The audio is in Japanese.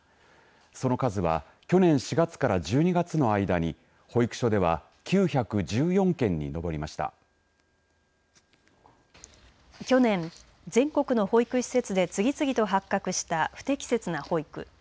その数は去年４月から１２月の間に保育所では去年、全国の保育施設で次々と発覚した不適切な保育。